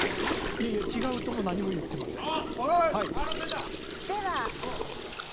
いえいえ違うとも何も言ってませんあら出た！